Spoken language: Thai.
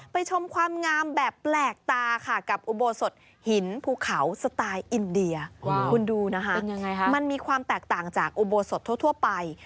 ชมความงามแบบแปลกตาค่ะกับอุโบสถหินภูเขาสไตล์อินเดียคุณดูนะคะมันมีความแตกต่างจากอุโบสถทั่วไป